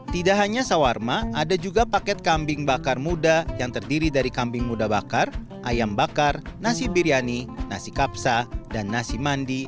tidak hanya sawarma ada juga paket kambing bakar muda yang terdiri dari kambing muda bakar ayam bakar nasi biryani nasi kapsa dan nasi mandi